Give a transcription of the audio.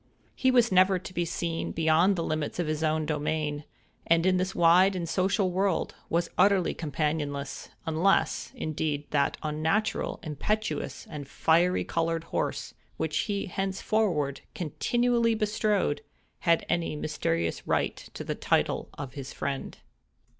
He was never to be seen beyond the limits of his own domain, and, in this wide and social world, was utterly companionless—unless, indeed, that unnatural, impetuous, and fiery colored horse, which he henceforward continually bestrode, had any mysterious right to the title of his friend.